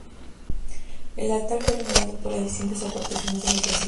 El Altar fue renovado por las distintas aportaciones de los vecinos.